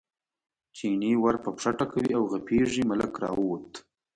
چیني ور په پښه ټکوي او غپېږي، ملک راووت.